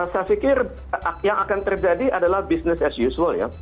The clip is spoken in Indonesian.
saya pikir yang akan terjadi adalah bisnis as usual